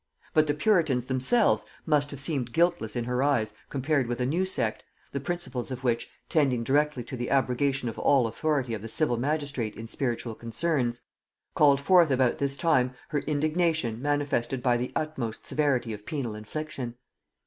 But the puritans themselves must have seemed guiltless in her eyes compared with a new sect, the principles of which, tending directly to the abrogation of all authority of the civil magistrate in spiritual concerns, called forth about this time her indignation manifested by the utmost severity of penal infliction.